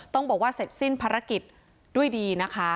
ต้องบอกว่าเสร็จสิ้นภารกิจด้วยดีนะคะ